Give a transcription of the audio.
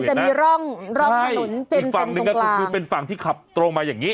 มันจะมีร่องผนุนเป็นตรงกลางอีกฝั่งหนึ่งก็คือเป็นฝั่งที่ขับตรงมาอย่างนี้